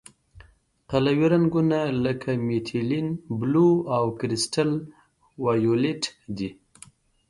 قلوي رنګونه لکه میتیلین بلو او کرسټل وایولېټ دي.